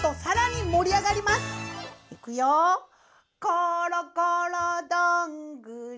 「ころころどんぐり」